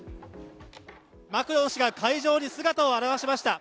マクロン氏が会場に姿を現しました。